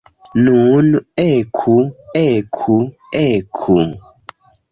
Nun eku, eku, eku!